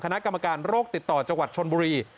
คณะกรรมการโรคติดต่อจังหวัดชนบุรี